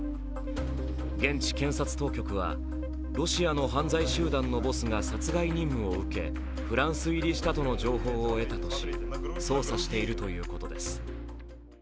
現地検察当局は、ロシアの犯罪集団のボスが殺害任務を受けフランス入りしたとの情報を得たとし、捜査しているということです。